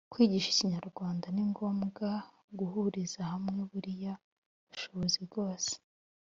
kwigisha ikinyarwanda ni ngombwa guhuriza hamwe buriya bushobozi bwose